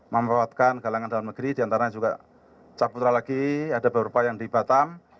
membuatkan galangan dalam negeri diantara juga caputra lagi ada beberapa yang di batam